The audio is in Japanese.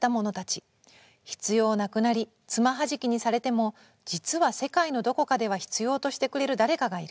必要なくなりつまはじきにされても実は世界のどこかでは必要としてくれる誰かがいる。